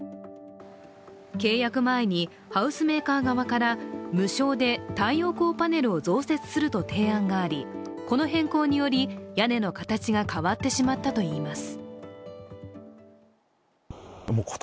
契約前にハウスメーカー側から無償で太陽光パネルを増設すると提案があり、この変更により屋根の形が変わってしまったといいます。